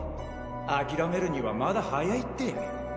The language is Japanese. あきらめるにはまだ早いって！